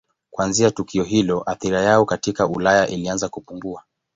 Kuanzia tukio hilo athira yao katika Ulaya ilianza kupungua.